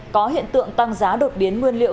có hiện tượng tăng giá đột biến nguyên liệu